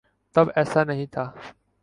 تب ایسا نہیں تھا۔